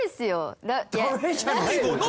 ダメじゃないよ。